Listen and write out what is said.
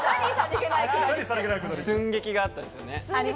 寸劇があったんですよね。